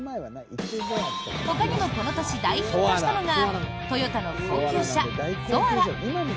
ほかにもこの年大ヒットしたのがトヨタの高級車、ソアラ。